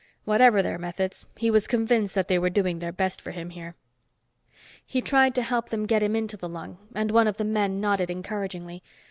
Whatever their methods, he was convinced that they were doing their best for him here. He tried to help them get him into the lung, and one of the men nodded encouragingly.